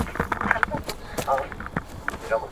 د کډوالو په وړاندي باید زغم او انساني پاملرنه موجوده وي.